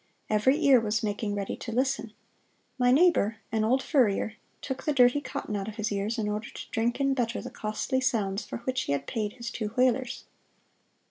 Every ear was making ready to listen. My neighbor, an old furrier, took the dirty cotton out of his ears in order to drink in better the costly sounds for which he had paid his two thalers.